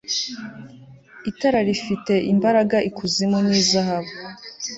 Itara rifite imbaraga ikuzimu ni zahabu